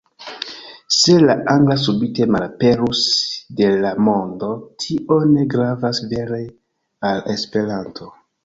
Se la angla subite malaperus de la mondo, tio ne gravas vere al Esperanto.